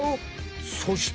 そして。